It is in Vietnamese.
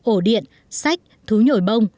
ổ điện sách thú nhồi bông